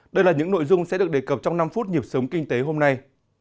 đây là những nội dung sẽ được đề cập trong năm phút nhịp sống kinh tế hôm nay